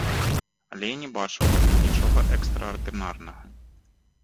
Але я не бачу ў гэтым нічога экстраардынарнага.